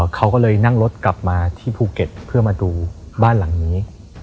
เขาก็เลยนั่งรถกลับมาที่ภูเก็ตเพื่อมาดูบ้านหลังนี้